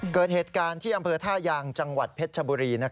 เกิดเหตุการณ์ที่อำเภอท่ายางจังหวัดเพชรชบุรี